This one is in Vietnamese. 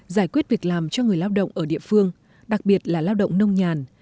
giải quyết việc làm cho người lao động ở địa phương đặc biệt là lao động nông nhàn